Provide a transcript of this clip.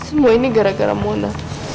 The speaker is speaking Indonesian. semua ini gara gara mona